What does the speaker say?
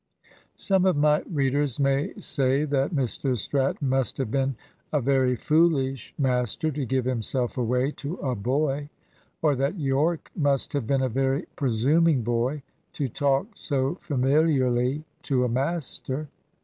Some of my readers may say that Mr Stratton must have been a very foolish master to give himself away to a boy, or that Yorke must have been a very presuming boy to talk so familiarly to a master.